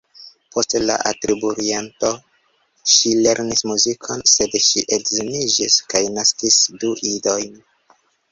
Post la abituriento ŝi lernis muzikon, sed ŝi edziniĝis kaj naskis du idojn.